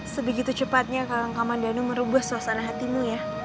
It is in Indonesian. sebegitu cepatnya kakang kakang mandano merebus suasana hatimu ya